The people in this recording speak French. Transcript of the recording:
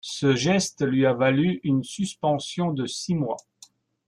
Ce geste lui a valu une suspension de six mois.